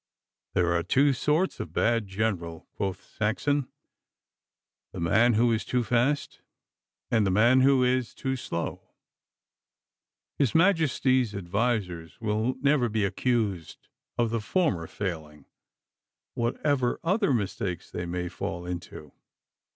'There are two sorts of bad general,' quoth Saxon, 'the man who is too fast and the man who is too slow. His Majesty's advisers will never be accused of the former failing, whatever other mistakes they may fall into.